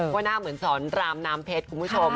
ว่าหน้าเหมือนสอนรามน้ำเพชรคุณผู้ชม